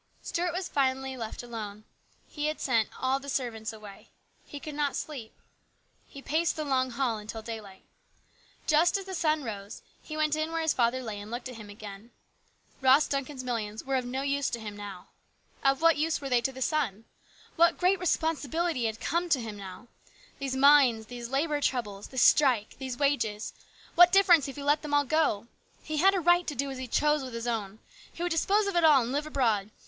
Stuart was finally left alone. He sent all the servants away. He could not sleep. He paced the long hall until daylight. Just as the sun rose, he went in where his father lay and looked at him again. Ross Duncan's millions were of no use 38 HIS BROTHER'S KEEPER. to him now. Of what use were they to the son ? What great responsibility had come to him now ! These mines, these labour troubles, this strike, these wa ges what difference if he let them all go ? He had a right to do as he chose with his own. He would dispose of it all and live abroad.